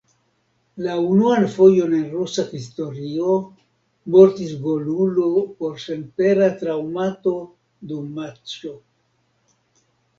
La unuan fojon en rusia historio mortis golulo pro senpera traŭmato dum matĉo.